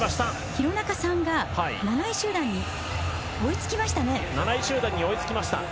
廣中さんが７位集団に追いつきましたね。